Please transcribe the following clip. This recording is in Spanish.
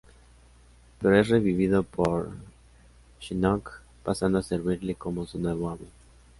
Pero es revivido por Shinnok, pasando a servirle como su nuevo amo.